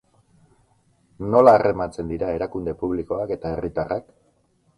Nola harremantzen dira erakunde publikoak eta herritarrak?